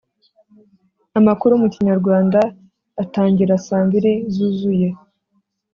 Amakuru mukinyarwanda atangira saa mbiri zuzuye